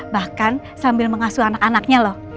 bahkan sambil mengasuh anak anaknya loh